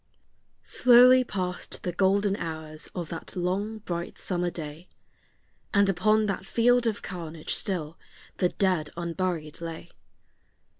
Slowly passed the golden hours of that long bright summer day, And upon that field of carnage still the dead unburied lay.